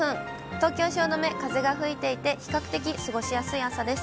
東京・汐留、風が吹いていて、比較的過ごしやすい朝です。